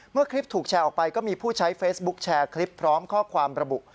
เมื่อคลิปถูกแชร์ออกไปก็มีผู้ใช้เฟซบุ๊คแชร์คลิปพร้อมข้อความระบุ